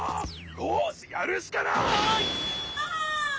よしやるしかない！